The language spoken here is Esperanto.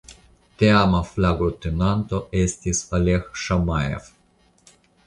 Teama flagotenanto estis "Oleg Ŝamajev".